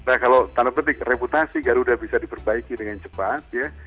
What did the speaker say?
nah kalau tanda petik reputasi garuda bisa diperbaiki dengan cepat ya